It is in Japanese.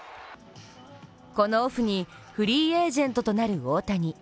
このオフにフリーエージェントとなる大谷。